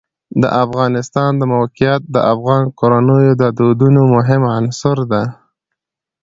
د افغانستان د موقعیت د افغان کورنیو د دودونو مهم عنصر دی.